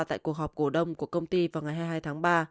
tại cuộc họp cổ đông của công ty vào ngày hai mươi hai tháng ba